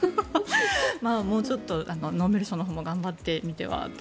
もうちょっとノーベル賞のほうも頑張ってみてはと。